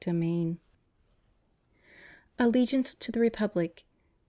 ziiL 4 7. ALLEGIANCE TO THE REPUBLIC.